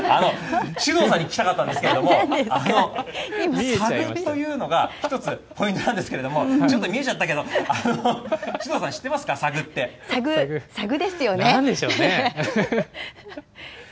ごめんなさい、首藤さんに聞きたかったんですけれども、サグというのが１つポイントなんですけれども、ちょっと見えちゃったけど、首藤さん、知ってますか、サグっサグ？